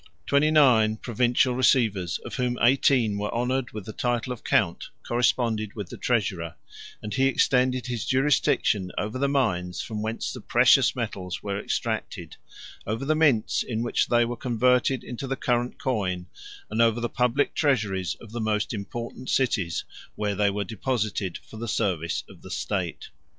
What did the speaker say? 151 Twenty nine provincial receivers, of whom eighteen were honored with the title of count, corresponded with the treasurer; and he extended his jurisdiction over the mines from whence the precious metals were extracted, over the mints, in which they were converted into the current coin, and over the public treasuries of the most important cities, where they were deposited for the service of the state.